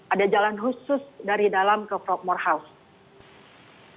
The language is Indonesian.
ada jalan khusus dari dalam ke frogmore house